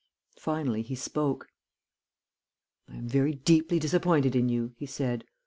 Finally he spoke. "'I am very deeply disappointed in you,' he said.